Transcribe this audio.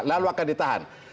lalu akan ditahan